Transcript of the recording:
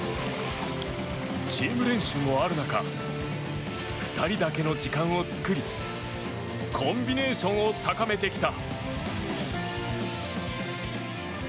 チーム練習もある中２人だけの時間を作りコンビネーションを高めてきた。